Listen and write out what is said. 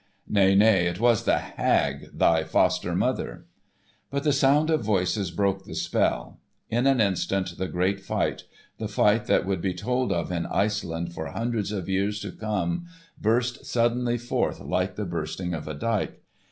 "Nay, nay, it was the hag, thy foster mother." But the sound of voices broke the spell. In an instant the great fight—the fight that would be told of in Iceland for hundreds of years to come—burst suddenly forth like the bursting of a dyke.